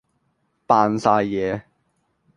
扮曬嘢